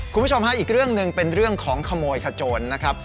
คุณผู้ชมฮะอีกเรื่องหนึ่งเป็นเรื่องของขโมยขโจนนะครับ